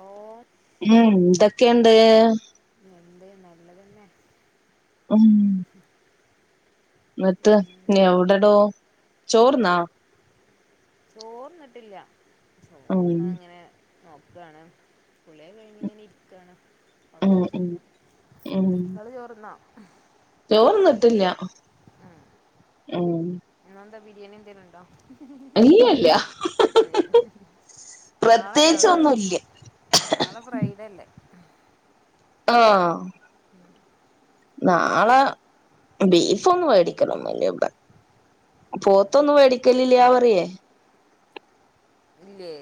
Law ഉം ന്തോക്കെണ്ട് എന്ത് നല്ലതന്നെ ഉം ന്ന്ട്ട് ഉം എവിടെടോ ചോർന്നാ ചോറ്ന്നിട്ടില്ല ഉം ചോറ്ന്നാ ങ്ങനെ നോക്കണ കുളിയൊക്കെ കഴിഞ്ഞിങ്ങനെ ഇരിക്കാണ് ഉം ഉം ഉം ഇങ്ങള് ചോർന്നോ ചോർന്നിട്ടില്ല ഉം ഉം ഇന്നെന്താ ബിരിയണി എന്തേലുണ്ടോ ഇല്ലല്ല പ്രത്യേകിച്ച് നാളെണ്ടാവൂലേ ഒന്നുംല്ല നാളെ ഫ്രൈഡേ ല്ലെ ആഹ് നാളെ ബീഫ് ഒന്ന് വേടിക്കണം ഇവടെ ഉം പോത്തൊന്നും വേടിക്കലില്ലാ പറയേ ഇല്ലേ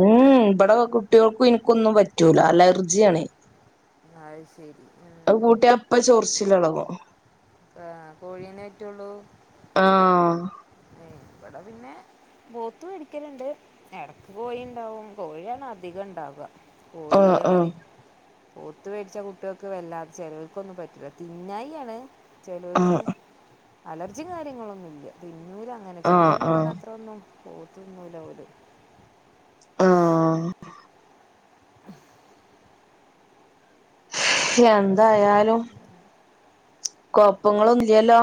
ഉം ഇവിടെ കുട്ടിയോൾക്കും ഇന്ക്കൊന്നും പറ്റൂല അലർജിയാണേ അയ് ശരി ഉം അത് കൂട്ടിയ അപ്പ ചോറിച്ചിലെളകും ആ കോഴിയനെ പറ്റോള്ളൂ ആഹ് ഇവിടെ പിന്നെ ബോത്ത് മേടിക്കലുണ്ട് ഇടക്ക് കോഴിണ്ടാവും കോഴിയാണ് അധികം ഇണ്ടാവ കോഴി ആഹ് തേ ആഹ് മാരി പോത്ത് മേടിച്ച കുട്ടിയൊൾക്ക് വല്ലാത്ത ചെലോൽക്കൊന്നും പറ്റുല്ല തിന്നായി ആണ് ചെലോൽക്ക് ആഹ് അലർജിം കാര്യങ്ങളൊന്നുംല്ല തിന്നൂല അങ്ങനെ ആഹ് ചിക്കൻ തിന്നണ ആഹ് അത്രൊന്നും പോത്തുതിന്നൂല ഓല് ആഹ് എന്തായാലും കൊപ്പങ്ങളൊന്നും ഇല്ലല്ലോ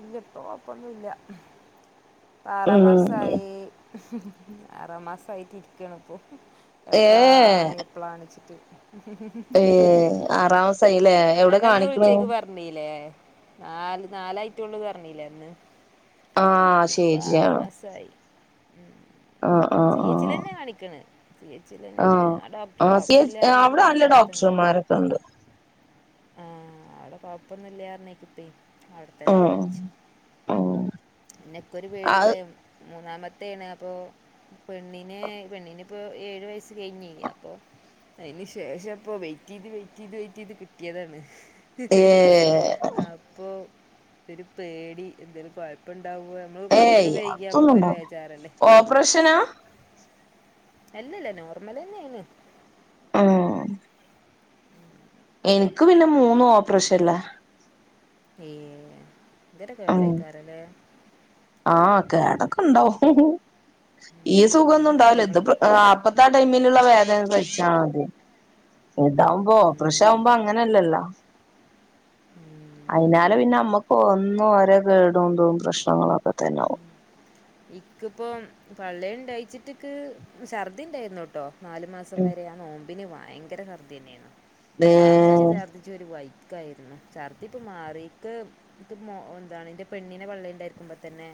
ഇല്ല ഇപ്പ കൊഴപ്പൊന്നുല്ല ഇപ്പ ആറാ ഉം മാസായി ആറാ മാസമായിട്ട് രിക്കാണ് ഇപ്പോ ഏ എപ്പളാണ് എപ്പോളാണ് ച്ചിട്ട് ഏ ആറാമാസായില്ലേ എവിടെ കാണിക്ക്ണ് റഞ്ഞീലെ നാല് നാലായിട്ടുള്ളൂ പറഞ്ഞീല്ലേ അന്ന് ആഹ് ഇപ്പ ശരിയാണ് ആറ്മാസായി സി എച്ചിലെന്നെ കാണിക്കണ് സി എച്ചിൽ തന്നെ ആഹ ആ ഡോക്ടർ ആസി കുഴപ്പമില്ല പറഞ്ഞേക്ക് പിന്നെ ഇപ്പൊ അവിടെനല്ല അവിടെ ഡോക്ടർമാരൊക്കെണ്ട് ആഹ് അവിടെ കൊഴപ്പൊന്നുല്ല്യാന്നറിഞ്ഞേക്കിത്ത തന്നെ ഉം കാണിച്ചു ഉം പിന്നെക്കൊരു അത് പേടിഭയം മൂന്നാമത്തെണ് അപ്പോ പെണ്ണിനെ പെണ്ണിനിപ്പോ ഏഴുവയസ്സ് കഴിഞ്ഞ്യ അപ്പൊ അയിന്ശേഷപ്പൊവെയിറ്റെയ്ത് വെയിറ്റെയ്ത് വെയിറ്റെയ്ത് കിട്ടിയതാണ് ഏ അപ്പോ ക്കൊരുപേടിഎന്തെലുംകോയപ്പണ്ടാവോനമ്മള് ഏയ് കൊറച്ചൊക്കെവേകിയ അതൊന്നും നമുക്കൊരു ഉണ്ടാവൂല വേചാറല്ലേ ഓപ്പറേഷനാ? അല്ലല്ല നോർമലെന്നൊയിന് ആഹ് ഇനിക്ക് പിന്നെമൂന്നുംഓപ്പറേഷൻല്ല ഏഹ് ഉം ഇന്തൊരുകേടാക്കാരല്ലേ ആഹ് കേടൊക്കെണ്ടാവും ഈ പിന്നെയിപ്പോൾ സുഖന്നുംണ്ടാവല നമ്മൾ ഇതിപ്പോഅ പത്തെടൈമില്ള്ള വേദനസഹിച്ചാമതി ഇതാവുമ്പോ ഓപ്പറേഷവുമ്പോ അങ്ങനെയല്ലല്ലോ ആഹ് അയിനാലെപിന്നെ നമ്മക്ക് ഒന്നും രെകേടതോ പ്രശ്നങ്ങളൊക്കെ തന്നൊവും ഇക്കിപ്പ പള്ളെല്ണ്ടായിച്ചിട്ടിക്ക് ഛർദി ണ്ടായിരുന്നുോട്ടോനാലു മാ ഉം സംവരെആനോമ്പിന ഭയങ്കര ചർദി ന്നെയ ദേ ച് ഛർദിച് ഒരുവൈക്കായിരുന്നു ചർത്തിപ്പമാറിക്ക് ഇത് മൊ എന്താണ് ഇന്റെപെണ്ണിനെ പള്ളേണ്ടായിരിക്കുമ്പോതന്നെ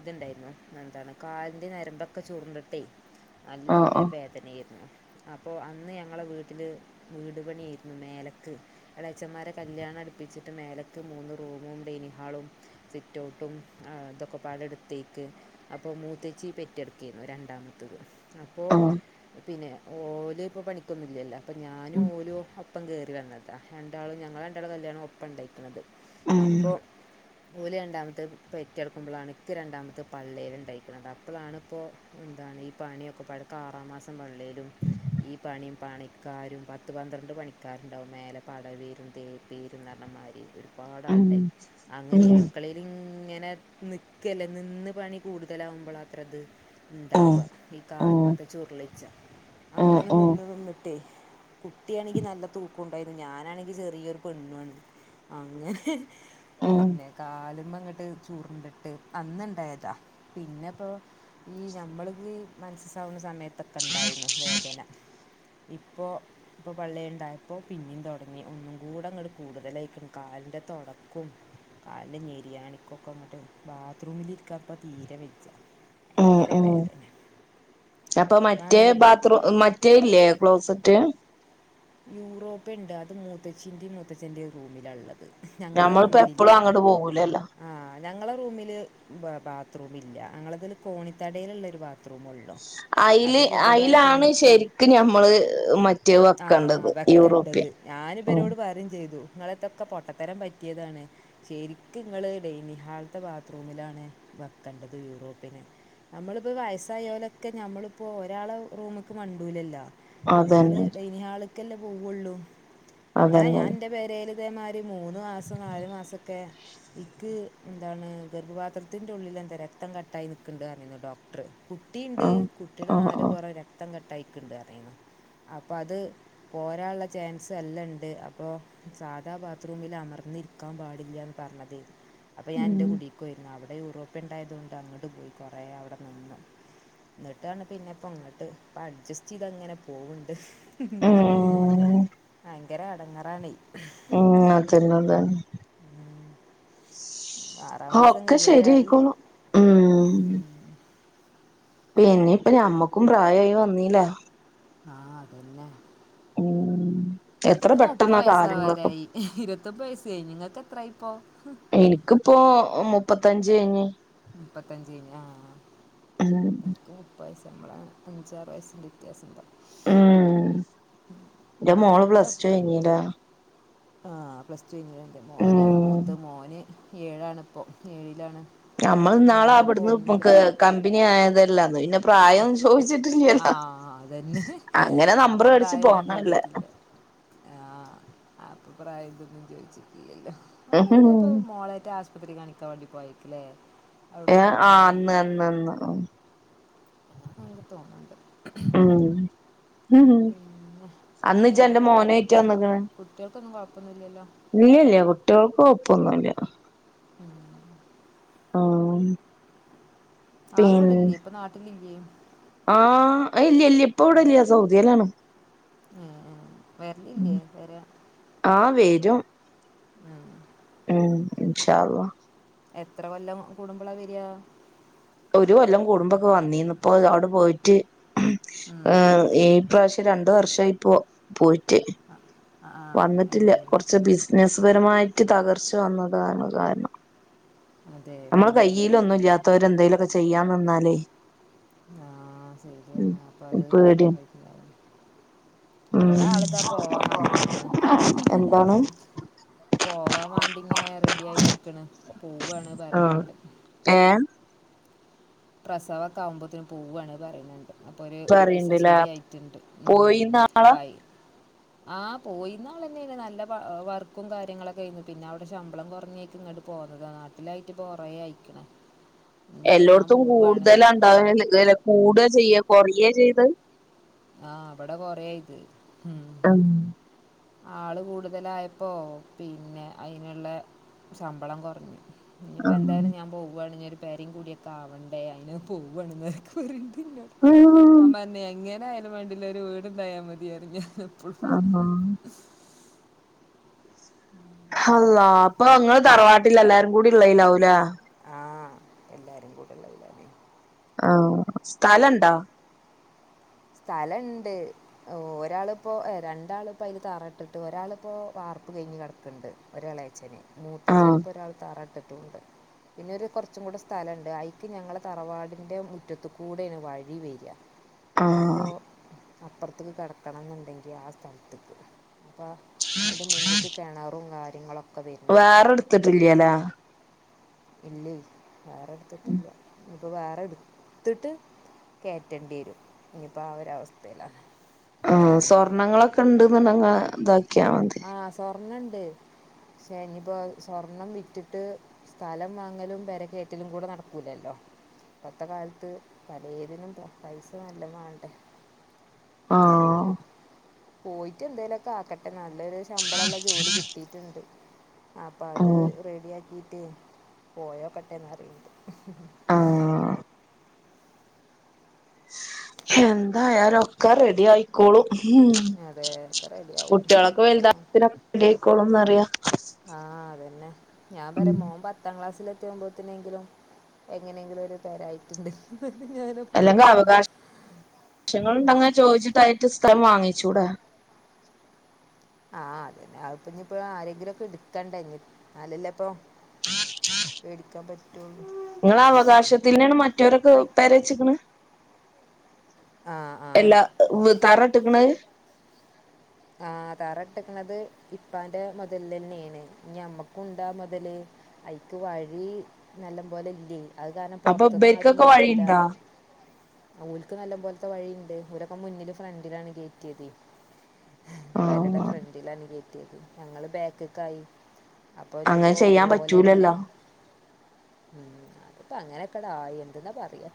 ഇത്ണ്ടായിരുന്നു ന്താണ്കാലിന്റെ നരമ്പൊക്കെ ചൂർണ്ടിട്ടെ ആഹ് ആഹ് നല്ലവേ ദന്നെയിരുന്നു അപ്പോ അന്ന് ഞങ്ങടെവീട്ടില് വീടുപണിയേയിരുന്നു മേലക്ക് എളച്ചന്മാരെ കല്യാണടുപ്പിച്ചിട്ട് മേലക്ക്മൂന്ന് റൂമും ഡെനിഹാളും സിറ്റഔട്ടും ആതൊക്കെ പ്പതടുത്തേക്ക് അപ്പോമൂത്തേച്ചി പെറ്റെടുക്കരുന്നു രണ്ടാമത്തത് അപ്പോ ആഹ് പിന്നെ ഓലോഇപ്പ പണിക്കൊന്നുല്ലല്ലോ അപ്പം ഞാനും ഉം ഓലോ ഒപ്പംകേറി വന്നതാരണ്ടാളുംഞങ്ങള രണ്ടാളെകല്യാണംഓപ്പണ്ടായിക്കണത് ഉം അപ്പൊ ഓല് രണ്ടാമത്തെ പെറ്റെടുമ്പോളാണ് ക്ക്‌ രണ്ടാമത്തെ പള്ളേല്ണ്ടായിക്കണത് അപ്പോളാണിപ്പൊ ഈ പണിയൊക്കെ പാടെ ഇപ്പം ആറാമാസം പള്ളെലും ഈ പണിം പണിക്കാരും പത്ത് പന്ത്രണ്ട് പണിക്കാരുണ്ടാവും മേലെ പടവേരുംതേ പേരുന്നറിഞ്ഞമായിരി ഒരുപാടാള് ഉം ണ്ടായിനി അങ്ങനെ ഈ ഉം അടുക്കളെങ്ങനെ ക്കല്ലേനിന്ന് പണി ഉം ഉം കൂടുതലാകുംബളാത്രത്ണ്ടാവാ ഈ ഉം കാൽമത്ത ചുരുളിച്ച അങ്ങനെ ഉം നിന്ന് നിന്നിട്ടേ കുട്ടിയാണെങ്കിനല്ല തൂക്കുണ്ടായിരുന്നു ഞാനാണെങ്കി ചെറിയരുപെണ്ണുണ് അങ്ങനെ ഉം പിന്നെ കാല്മ്മങ്ങ്ട്ട് ചുർണ്ട്ട്ട് അന്നുണ്ടായതാ പിന്നെ ഇപ്പോ ഈ നമ്മള്ക്ക്‌ മനസ്സസാവുന്നസമയ ത്തൊക്കെണ്ടായിനു വേദന ഇപ്പോ ഇപ്പൊപള്ളയുണ്ടായപ്പോപിന്നീും തുടങ്ങി ഒന്നുകൂടെങ്ങട് കൂടുതലായിക്കണ്കാലിന്റെ തൊടക്കും കലിന്റെ ഞെരിയാണിക്കൊക്കെങ്ങട് ബാത്ത്റൂമിരിക്കാപ്പ തീരെവച്ച ഉംഉം ഇപ്പോഴാണെങ്കിൽ അപ്പൊമറ്റേബാത് മറ്റേയില്ല്യേ ക്ലോസ്റ്റ് യൂറോപ്പ്യൻണ്ട് അത് മൂത്തച്ഛിൻ്റെയും മൂത്തച്ഛൻ്റെ റൂമിലള്ളത് ഞങ്ങള ഞമ്മളിപ്പോ എപ്പളും റൂമിലില്ല്യ അങ്ങട്ട് പോകൂലല്ലോ ആഹ് ഞങ്ങളെ റൂമില് ബാത്രൂമില്ല ഞങ്ങളതില് കോണിത്തടേല്ള്ളൊരു ബാ ബാത്രൂമൊള്ളൂ അത് പൊതുവായിറ്റന്നെ ക്ക് ഞമ്മള് മറ്റ് ആഹ് വെക്കെണ്ടത് ഉം ഞാനിബരോട് പറിം ചെയ്തു ഇങ്ങളെട്ത്തൊക്കെ പൊട്ടത്തരം പറ്റിയതാണ് ശരിക്ക്ങ്ങള് ഡൈനിഹാൾതെ ബാത്റൂമിലാണ് വെക്കണ്ടത് യൂറോപ്പ്യന് നമ്മളിപ്പോ വയസ്സായലൊക്കെ നമ്മളിപ്പോ ഒരാളെ റൂമ്ക്ക് മണ്ടൂലല്ലാ അതന്നെ നമ്മള്ഡൈനിഹാളക്കല്ലേ അതന്നെ പോവുള്ളൂഅങ്ങനെഞാൻഇ പെരേല്തേമാരി മൂന്ന്മാസം നാല്മാസൊക്കെ ഇക്ക് എന്താണ് ഗർഭപാത്രത്തിന്റെഉള്ളിലെന്താ രക്തംകട്ടായി നിക്ക്ണ്ട്ർഞ്ഞിനി ഡോക്ടർ കുട്ടീണ്ട് ആഹ് കുട്ടിടെ ആഹ് നാല് ആഹ് പൊറ രക്തംകട്ടായിക്ക്ണ്ട്ർഞ്ഞിനു അപ്പൊ അത് പോരാള്ള ചാൻസ് എല്ലണ്ട് അപ്പോ സാധാ ബാത്റൂമില് അമർന്നിരി ക്കാം പാടില്ല്യാന്ന് പർഞ്ഞത് അപ്പൊ ഞാൻ ഇന്റെ ഉം കുടി കൊയ്ര്ന്നു അവ്ടെ യൂറോപ്യൻണ്ടായതോണ്ട് അങ്ങട്ട് പോയി കൊറേ അവ്ടെ നിന്നു ന്ന്ട്ടാണ് പിന്നെപ്പൊ ഇങ്ങട്ട് ഇപ്പ അഡ്ജസ്റ്റയ്തങ്ങനെ പോവ് ഉം ഭയങ്കര എടങ്ങറാണെ ഉം അതന്നെതന്നെ ആറാം മാസം ഒക്കെ കയ്യാറായി ശരിആയിക്കോളു ഉം പിന്നീപ്പ ഞമ്മക്കും പ്രായായി വന്നീലെ ആഹ് അതന്നെ ഉം എത്ര പെട്ടെന്ന കാലങ്ങളൊക്കെ ഇരുവതൊമ്പയ്സെയ്ഞ് ഇങ്ങക്കെത്രായിപ്പോ ഇനിക്കിപ്പോ മുപ്പത്തഞ്ചഴിഞ്ഞ് മുപ്പത്തഞ്ചയ്ഞ് ആഹ് ആഹ് ഉം ക്ക് മുപ്പയ്സ്സ മ്മള് അഞ്ചാറ് വയസ്സിൻ്റെ വിത്യാസം ഉം ഇന്റെ മോള് പ്ലസ് ടു ഴിഞ്ഞിലെ ആ പ്ലസ് ടു യിഞ്ഞിണല്ലെ മോനാണ് ഉം മൂത്ത് മോന് ഏഴാണ് ഇപ്പോ ഏഴിലാണ് നമ്മള് ഇന്നാളെ മോളപ്പോൾ അവ്ട്ന്ന് ഒന്നില് പ്പക്ക് കമ്പിനി ആയതെല്ലഅന്ന് പിന്നെ പ്രായൊന്ന് ആ ചോയിച്ചിട്ടില്ലല്ലോ അതന്നെ അങ്ങനെ നമ്പറ് വേടിച്ച് പോന്നല്ലേ ആഹ് അപ്പൊ പ്രായംഇതൊന്നും ചോയ്ച്ചിട്ടില്ലല്ലോ ഏഹ് നമ്മളെന്നേപ്പൊ മോളേയ്റ്റ് ആസ് പത്രി കാണിക്കാവേണ്ടി പോയേക്ക്ലേ ഏഹ് ആഹ് അന്ന് അന്ന് അന്ന് അങ്ങനെ തോന്ന്ണ്ട് ഉം പിന്നെ അന്ന്ജന്റെ മോനേറ്റ് വന്ന്ക്ക്ണ് കുട്ട്യേൾക്കൊന്നും കൊഴപ്പൊന്നുല്ലല്ലോ ഇല്ലല്ല്യ കുട്ട്യേൾക്ക് കൊപ്പൊന്നുല്ല ഉം ആള് ഇവടെല്ലെ ഇപ്പൊനാട്ടിലില്ലേ ആഹ് ഇല്ല ഇല്ല ഇപ്പ ഇവ്ടെ ഇല്ല സൗദ്യലാണ് ഏഹ് ആഹ് വെര്ലില്ലേ വരാ ആഹ് വെരും. ആഹ് ഉം ഇൻഷാഅള്ളാ എത്രകൊല്ലം കൂടുമ്പളാവെരാ ഒരു കൊല്ലം കൂടുമ്പൊക്കെ വന്നീന്നു ഇപ്പോ അവ്ടെ പോയിട്ട് ഉം. ഈപ്രാവ്ശ്യ രണ്ടുവർഷയിപ്പോ പോയിറ്റ് ആ ആ, ഏ, വന്ന്ട്ടില്ല കൊർച്ച് ബിസിനസ്പരമായിട്ട് തകർച്ചവന്നതാണ് കാര്ണം. അതെ നമ്മളെ ഉം. കയ്യീലൊന്നുഇല്ലാത്തോര് എന്തേലുക്കെ ചെയ്യാംനിന്നാലേ ആഹ് സെരിആണ് അപ്പൊ അത് പേടിയാണ് കഴ്ച്ചിലാവാന് ഉം ഇബടെ ആള്താ പോവാൻവാണ്ടി നിക്ക്ണ് എന്താണ് പോവാ വാണ്ടിങ്ങനെ റെഡിയായി നിക്ക്‌ണ് പോവാണ്. ആഹ്, പറയുന്നുണ്ട് ഏഹ് പ്രസവൊക്കെ ആവുമ്പത്ത്നും പോവാണ്ന്ന് പറീണ്ണ്ട് അപ്പൊരു വിസ പറയണ്ട്ല്ലേ ശരിയായിട്ട്ണ്ട്. ഉം പോയിന്നാ അപ്പയ് ആഹ് പോയീന്ന ആളെന്നേണ്. നല്ല വാ വർക്കും കാര്യങ്ങളൊക്കേന്നു. പിന്നെ അവടെ ശമ്പളം കുറഞ്ഞേക്കിങ്ങ്ട്ട് പോന്നതാ നാട്ടിലായിട്ട്പ്പോ കൊറേ അയ്ക്ക്‌ണ്. എല്ലോട്ത്തും കൂടുതലണ്ടാവല് ല്ലെ കൂടചെയ്യ കൊറയചെയ്തെ ആഹ് അവ്ടെ കൊറേയ്ത് ഉം ഉം ആള് കൂടുതലായപ്പോ പിന്നെ അയ്ന്ള്ളെ ശമ്പളം കൊറഞ്ഞു. ഇനിപ്പോ എന്തായാലും ഞാൻ പോവാണ് ഇനീയൊരു പെരീം കുടിയൊക്കെ ആവണ്ടേ അയ്ഞാന് പോവാണ്ന്ന് അയ്യോ ഞാ പർഞ്ഞേയ് എങ്ങനെയാലും വേണ്ടില ഒരു വീട്ണ്ടായാമതീറിയും ഞാഎപ്പളും. [inaudible] അള്ളാഹ് അപ്പൊങ്ങള് തറവാട്ടിലെല്ലാരും കൂടി ഇള്ളേലാവൂലെ? ആഹ് എല്ലാരും കൂടിള്ളേലാണെ. ആഹ് സ്ഥലണ്ടോ? സ്ഥലണ്ട്. ഓഹ് ഒരാളിപ്പോ ഏഹ് രണ്ടാളിപ്പോ അയില് തറ ഇട്ടിട്ട് ഒരാളിപ്പോ വാർപ്പ് കയ്ഞ്ഞ് കടക്ക്‌ണ്ട്. ഒരാളേച്ചന് ആഹ് മൂത്തച്ചനിപ്പോ ഒരാൾ താറ ഇട്ടിട്ടൂണ്ട്. പിന്നെരു കൊറച്ചും കൂടെ സ്ഥലണ്ട് അയ്ക്ക് ഞങ്ങളെ തറവാടിന്റെ മുറ്റത്തുകൂടേണ് വഴി വെരാ. അപ്പോ ആഹ് അപ്പർത്ത്ക്ക് കടക്കണംന്ന്ണ്ടെങ്കി ആ സ്ഥൽത്ത്ക്ക് അപ്പോ അയിന്റെ മുന്ന്ക്ക് കെണറും കാര്യങ്ങളൊക്കെ വര്ണ്ണ്ട്. വേറെ ഇട്ത്തിട്ടില്ല്യലേ ഇല്ലേ വേറെടുത്തിട്ടില്ല. ഇനിയിപ്പോ വേറെ ഇടുത്തിട്ട് കേറ്റണ്ടിയേരും ഇനിയിപ്പോ ആ ഒരവസ്ഥയിലാ. ആഹ് സ്വർണ്ണങ്ങളൊക്കെ ഇണ്ട്ന്ന്ണ്ടെങ്കി ആ താക്കിയാ ആഹ് സ്വർണണ്ട്. ക്ഷേ നിപ്പോ സ്വർണം വിറ്റിട്ട് സ്ഥലം വാങ്ങലും പെര കേറ്റലും കൂടെ നടക്കൂലല്ലോ? ഇപ്പത്തെ കാലത്ത് പലേതിനും പ്പൊ പൈസ നല്ലം വാണ്ടേ? ആ പ്പോല് ആഹ് പോയിട്ട് എന്തേലൊക്കെ ആക്കട്ടെ നല്ലൊരു ശമ്പളള്ള ജോലി കിട്ടീ ട്ട്ണ്ട്. അപ്പൊ അത് ആഹ് റെഡിയാക്കീട്ടേ പോയോക്കട്ടെന്നറീണ്ണ്ട്. ആഹ്. എന്തായാലൊക്കെ റെഡിയായി ക്കോളും. ഉം, അതെ ഒക്കെ റെഡിയാവും കുട്ടിയോളൊക്കെ വൽതാകുമ്പതിനൊക്കെ റെഡിയായിക്കോളുംന്നറിയും. ആ അതന്നെ ഞാൻ പറീം മോൻ പ ത്താം ക്ലാസ്സിലെത്തിമ്പോത്തനെങ്കിലും എങ്ങനെങ്കിലും ഒരു പെരായിട്ട്ണ്ടങ്കിറീം ഞാന്. അല്ലെങ്കി അവകാശ ശങ്ങൾണ്ടങ്ങി ചോദിച്ചിട്ടായിട്ട് സ്ഥലം വാങ്ങിച്ചൂടെ? ആഹ് അതന്നെ അത്പ്പൊന്നിപ്പോ ആരെങ്കിലൊക്കെ ഇട്ക്കണ്ടേഞ്ഞി ന്നാല്ലല്ലേപ്പൊ വേടിക്കാൻ പ റ്റൊള്ളൂ. ഇങ്ങളെ അവകാശത്തിന്നേണ് മറ്റവരൊക്കെ പെരവെച്ച്ക്ക്‌ണ്? ആ ആ അല്ലാ വെ തറ ഇട്ട്ക്കണത് ആഹ് തറട്ട്ക്ക്‌ണത് ഇപ്പാന്റെ മുതലിലന്നെയാണ്. ഇനിയമ്മക്കുണ്ടാ മുതല്. അയിക്ക് വഴി നല്ലം പോലെ ഇല്ലേയ് അത് കാരണം അപ്പൊ പൊറത്ത്ന്നാരും ഇബര്ക്കൊക്കെ വേടിക്കൂല. വഴിണ്ടാ ഓൽക്ക് നല്ലം പോൽത്തെ വഴീണ്ട് ഓലൊക്കെ മുന്നില് ഫ്രണ്ടിലാണ് കേറ്റിയതേ. പെരടെ ആഹ് ഫ്രണ്ടിലാണ് കേറ്റിയത്. ഞങ്ങള് ബാക്ക്‌ക്കായി. അങ്ങനെ അപ്പോഞ്ഞിപ്പോ ചെയ്യാൻ ഓലന്നെ പറ്റൂലല്ലോ ഉം അത്പ്പൊ അങ്ങനെക്കടായി എന്ത്‌ന്നാ പറയാ.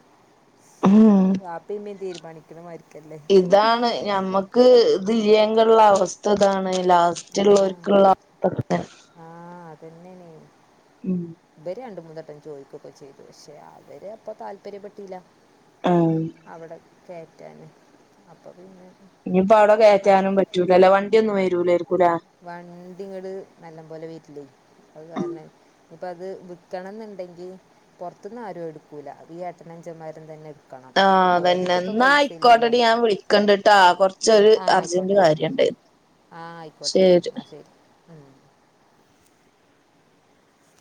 ഉം വാപ്പിം ഇമ്മിതീരുമാനിക്കണമായിരിക്ക ഇതാണ് ഞമ്മക്ക് ക്ക് ഇത് ഇല്ലേങ്കിള്ള അവസ്ഥ ഇതാണ്. ലാസ്റ്റ്ള്ളോര്ക്ക്ള്ള അവസ്ഥ ഇതന്നെ. ആഹ് അതെന്നാണ് ഉം ഇവര് രണ്ട് മൂന്നെട്ടം ചോയിക്കൊക്കെ ചെയ്തു പക്ഷെ അവര് അപ്പ താല്പര്യ പെട്ടീല. ആഹ് അവ്ടെ കേറ്റാന്. അപ്പൊ പിന്നെ ഇഞ്ഞ്പ്പ അവ്ടെ മറ്റ് കേറ്റാനും പറ്റൂലല്ലോ വണ്ടിയൊന്നും വരൂലേയിരിക്കൂല്ലേ? വണ്ടി ഇങ്ങട്ട് നല്ലം പോലെ വെര്‌ലെ അത് ഉം കാരണം അപ്പഅത് വിക്കണംന്ന് ഇണ്ടെങ്കിൽ പൊർത്ത്ന്ന് ആരു അഹ് എടുക്കൂല. അത് ഈ എട്ടന അഞ്ചന്മാരും തന്നെ ക്കണം. ആഹ് അപ്പൊ അതന്നെ ഓരേര്ത്ത് ഇപ്പം എന്നാ പൈസ ഇല്ല. ആയിക്കോട്ടെടി ഞാൻ വിളിക്കണ്ട്ട്ടാ കൊറച്ചൊരു ആഹ് ആയിക്കോട്ടെ അർജന്റ് ആയിക്കോട്ടെ കാര്യണ്ട് ആഹ് ആയിക്കോട്ടെ അയ്ക്കോട്ടെ ശരി ഇന്നാ ശെരി. ഉം